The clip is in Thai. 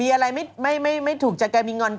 เอาเขาแบบไม่ชอบอีก